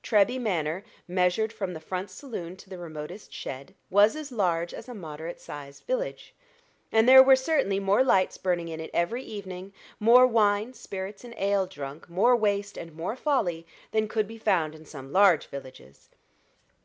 Treby Manor, measured from the front saloon to the remotest shed, was as large as a moderate sized village, and there were certainly more lights burning in it every evening, more wine, spirits, and ale drunk, more waste and more folly, than could be found in some large villages.